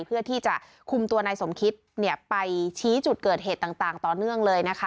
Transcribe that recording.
เพื่อที่จะคุมตัวนายสมคิตไปชี้จุดเกิดเหตุต่างต่อเนื่องเลยนะคะ